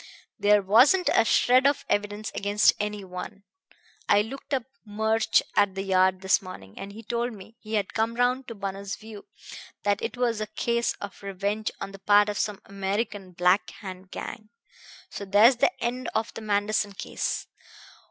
There wasn't a shred of evidence against any one. I looked up Murch at the Yard this morning, and he told me he had come round to Bunner's view, that it was a case of revenge on the part of some American black hand gang. So there's the end of the Manderson case.